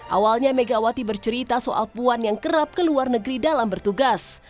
awalnya megawati bercerita soal puan yang kerap ke luar negeri dalam bertugas